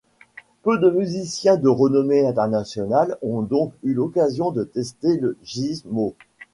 Peu de musiciens de renommée internationale ont donc eu l'occasion de tester le Gizmo.